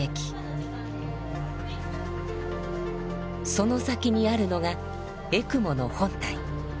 その先にあるのがエクモの本体。